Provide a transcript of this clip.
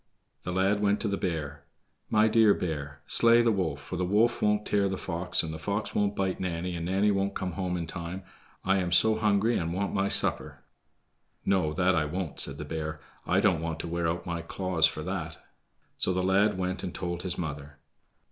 The lad went to the bear. "My dear bear, slay the wolf, for the wolf won't tear the fox, and the fox won't bite Nanny, and Nanny won't come home in time. I am so hungry and want my supper." "No, that I won't," said the bear; "I don't want to wear out my claws for that." So the lad went and told his mother.